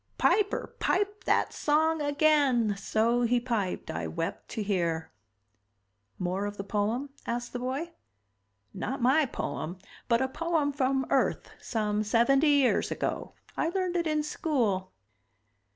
"Piper, pipe that song again! So he piped, I wept to hear." "More of the poem?" asked the boy. "Not my poem but a poem from Earth some seventy years ago. I learned it in school."